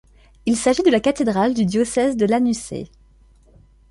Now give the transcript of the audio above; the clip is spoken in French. Il s'agit de la cathédrale du diocèse de Lanusei.